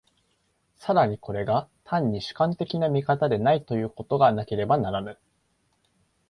更にこれが単に主観的な見方でないということがなければならぬ。